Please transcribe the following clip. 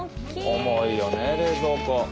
重いよね冷蔵庫。